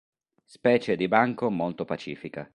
Specie di banco molto pacifica.